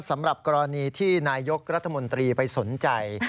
สำหรับกรณีที่นายกรัฐมนตรีไปสนใจ